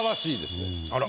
あら。